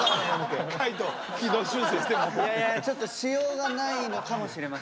ちょっと「しようがない」のかもしれません。